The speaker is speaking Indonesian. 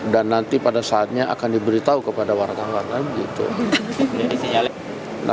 dan nanti pada saatnya akan diberitahu kepada warga warga